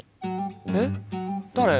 えっ誰？